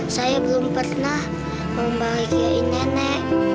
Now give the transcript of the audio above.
saya belum pernah membalikai nenek